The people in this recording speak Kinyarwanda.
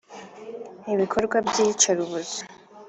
ibikorwa by’iyicarubozo